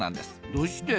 どうして？